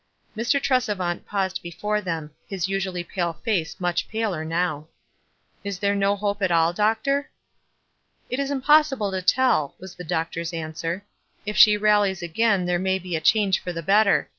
Mr. Tresevant paused before them — his usu ally pale face much paler now. "Is there no hope at all, doctor?" "It is impossible to tell," was the doctor's answer. "If she rallies again there may be a change for the better.